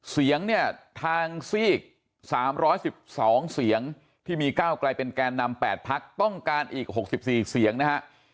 เสียงเนี่ยทางซีก๓๑๒เสียงที่มีก้าวไกลเป็นแกนนำ๘พักต้องการอีก๖๔เสียงนะฮะ